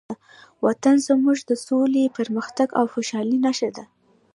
وطن زموږ د سولې، پرمختګ او خوشحالۍ نښه ده.